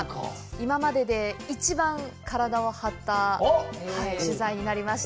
今までで一番体を張った取材になりました。